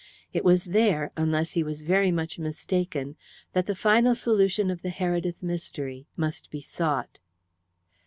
It was there, unless he was very much mistaken, that the final solution of the Heredith mystery must be sought.